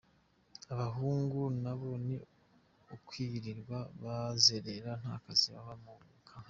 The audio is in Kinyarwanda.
Abahungu na bo ni ukwirirwa bazerere nta kazi kaba mu nkambi.